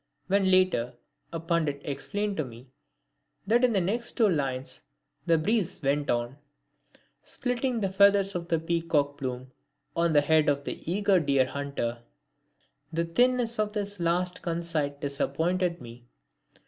When, later, a Pandit explained to me that in the next two lines the breeze went on "splitting the feathers of the peacock plume on the head of the eager deer hunter," the thinness of this last conceit disappointed me.